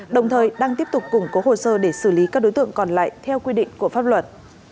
đồng thời đang tiếp tục củng cố hồ sơ để xử lý các đối tượng còn lại theo quy định của pháp luật